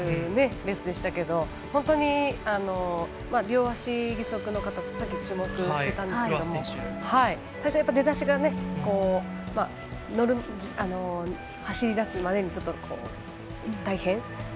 こんなことがあるのかというレースでしたけど本当に両足義足の方さっき注目してましたけど最初、出だしが走り出すまでにちょっと大変な。